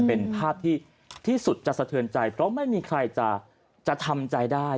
เป็นภาพที่สุดจะสะเทือนใจเพราะไม่มีใครจะทำใจได้